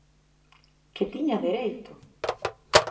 Que tiña dereito!